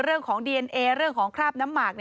เรื่องของดีเอนเอเรื่องของคราบน้ำหมาก